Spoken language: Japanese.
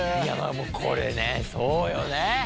これねそうよね。